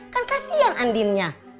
kan kasihan andinnya